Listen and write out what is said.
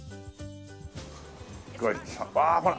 わあほら！